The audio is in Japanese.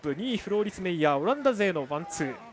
２位、フローリス・メイヤーオランダ勢のワンツー。